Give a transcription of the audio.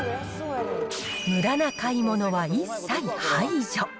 むだな買い物は一切排除。